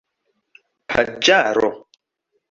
paĝaro